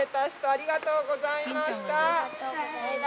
ありがとうございます。